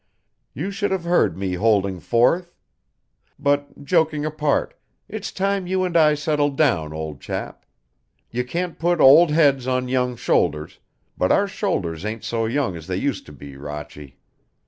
You should have heard me holding forth. But, joking apart, it's time you and I settled down, old chap. You can't put old heads on young shoulders, but our shoulders ain't so young as they used to be, Rochy.